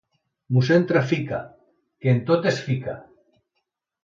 Mossèn Trafica, que en tot es fica.